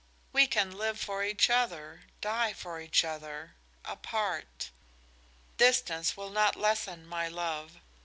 "We can live for each other, die for each other, apart. Distance will not lessen my love.